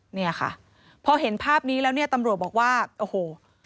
เนี่ยค่ะพอเห็นภาพนี้แล้วเนี่ยตำรวจบอกว่าโอ้โห